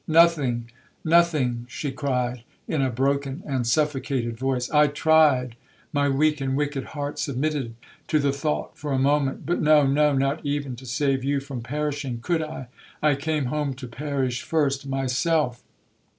'Nothing,—nothing,' she cried, in a broken and suffocated voice; 'I tried,—my weak and wicked heart submitted to the thought for a moment,—but no,—no, not even to save you from perishing, could I!—I came home to perish first myself!'